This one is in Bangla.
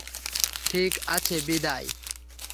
ঠিক আছে, বিদায়।